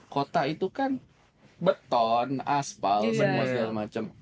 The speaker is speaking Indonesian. kota itu kan beton aspal semua segala macam